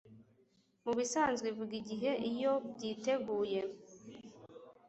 mubisanzwe ivuga igihe Iyo byiteguye